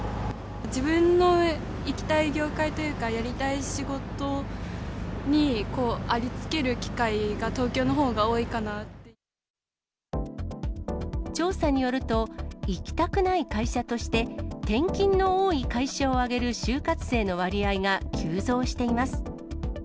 自分の行きたい業界というか、やりたい仕事にありつける機会が、調査によると、行きたくない会社として転勤の多い会社を挙げる就活生の割合が急増しています。